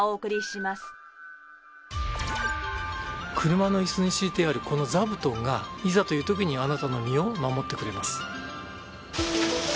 車の椅子に敷いてあるこの座布団がいざという時にあなたの身を守ってくれます。